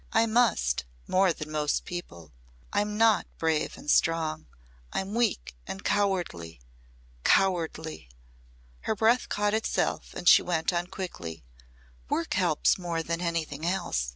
"I must more than most people. I'm not brave and strong. I'm weak and cowardly cowardly." Her breath caught itself and she went on quickly, "Work helps more than anything else.